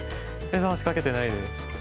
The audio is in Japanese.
目覚ましかけてないです。